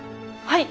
はい。